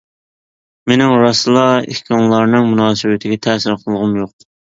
مېنىڭ راستلا ئىككىڭلارنىڭ مۇناسىۋىتىگە تەسىر قىلغۇم يوق.